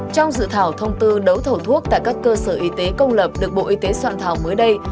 trong dự thảo thông tư đấu thầu thuốc tại các cơ sở y tế công lập được bộ y tế soạn thảo mới đây